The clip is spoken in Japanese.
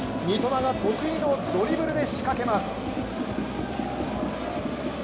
三笘が得意のドリブルで仕掛けます。